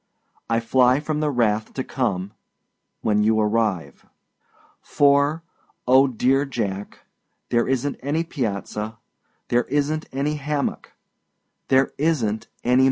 I fly from the wrath to come when you arrive! For oh, dear Jack, there isnât any piazza, there isnât any hammock there isnât any Marjorie Daw!